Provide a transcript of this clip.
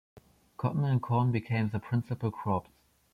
Cotton and corn became the principal crops.